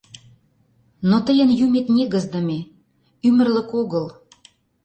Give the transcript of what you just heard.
Но тыйын юмет негыздыме, ӱмырлык огыл.